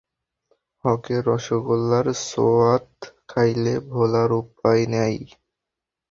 হকের রসোগোল্লার সোয়াদ খাইলে ভোলার উপায় নাই।।